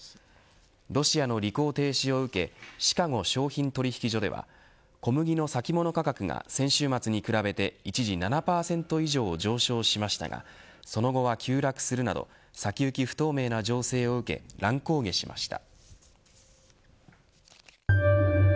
ロシアの履行停止を受けシカゴ商品取引所では小麦の先物価格が先週末に比べて一時７％以上上昇しましたがその後は急落するなど先行き不透明な情勢を受け乱高下しました。